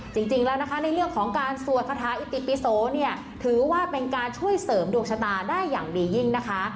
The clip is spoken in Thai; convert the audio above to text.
จริงแล้วนะคะในเรื่องของการสวดคาถาอิติปิโสเนี่ยถือว่าเป็นการช่วยเสริมดวงชะตาได้อย่างดียิ่งนะคะ